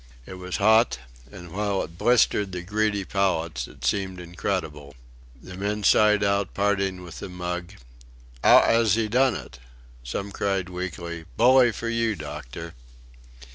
It was hot, and while it blistered the greedy palates, it seemed incredible. The men sighed out parting with the mug: "How 'as he done it?" Some cried weakly: "Bully for you, doctor!"